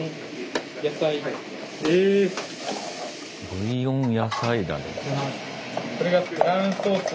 ブイヨン野菜ダレ。